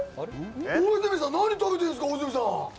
大泉さん、何食べてるんですか？